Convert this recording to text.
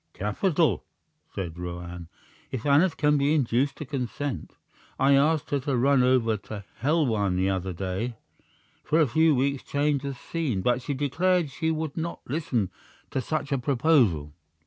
"Capital," said Roane "if Aneth can be induced to consent. I asked her to run over to Helwan the other day, for a few weeks' change of scene; but she declared she would not listen to such a proposal."